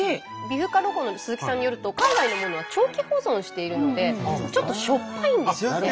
美深ロコの鈴木さんによると海外のものは長期保存しているのでちょっとしょっぱいんですって。